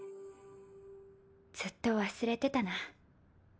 ずっと忘れてたな。